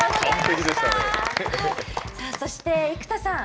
そして、生田さん